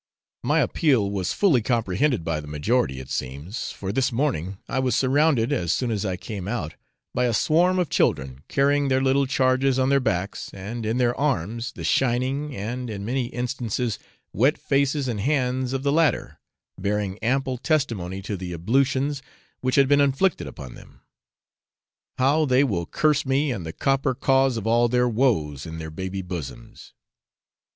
My appeal was fully comprehended by the majority, it seems, for this morning I was surrounded, as soon as I came out, by a swarm of children carrying their little charges on their backs and in their arms, the shining, and, in many instances, wet faces and hands of the latter, bearing ample testimony to the ablutions which had been inflicted upon them. How they will curse me and the copper cause of all their woes, in their baby bosoms!